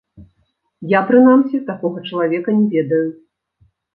Я, прынамсі, такога чалавека не ведаю.